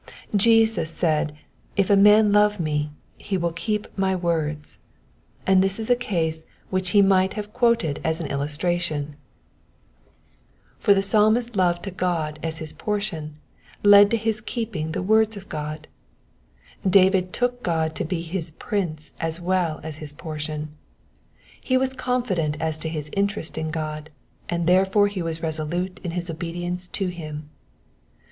Jesus said, '* If a man love me, he will keep my words,*' and this is a case which he might have 10 Digitized by VjOOQIC 146 EXPOSITIOKS OP THE PSALMS. quoted as an illustration ; for the Psalmist^s love to God as his portion led to his keeping the words of God. David took God to be his Prince as well as his Portion. He was confident as to his interest in God, and there fore he was resolute in his obedience to him.